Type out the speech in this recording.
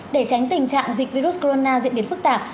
để tránh tình trạng dịch virus corona diễn biến phức tạp